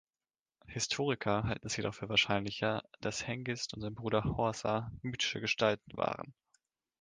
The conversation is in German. Historiker halten es jedoch für wahrscheinlicher, dass Hengist und sein Bruder Horsa mythische Gestalten waren.